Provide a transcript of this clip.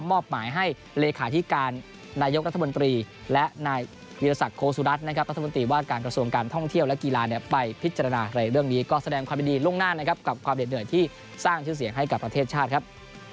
ในเรื่องนี้ก็แสดงความดีล่วงหน้านะครับกับความเด่นเหนื่อยที่สร้างชื่อเสียงให้กับประเทศชาติครับ